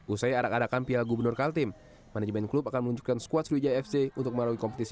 usai arak arakan piala gubernur kaltim manajemen klub akan menunjukkan skuad sriwijaya fc untuk melalui kompetisi